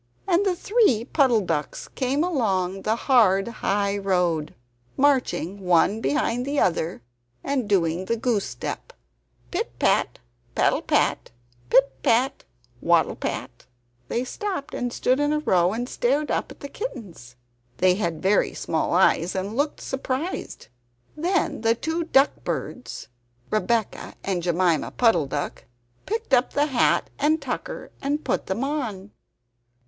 and the three Puddle ducks came along the hard high road, marching one behind the other and doing the goose step pit pat, paddle pat! pit pat, waddle pat! They stopped and stood in a row and stared up at the kittens. They had very small eyes and looked surprised. Then the two duck birds, Rebeccah and Jemima Puddle duck, picked up the hat and tucker and put them on.